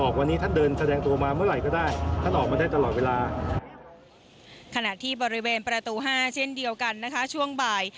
ขณะที่บริเวณประตู๕เช่นเดียวกันนะคะช่วงบ่าย